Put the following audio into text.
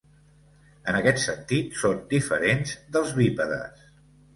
En aquest sentit, són diferents dels bípedes.